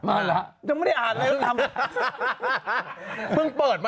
๑๑โมงเขาไม่ได้ฟังข่าวนี้หรือครับ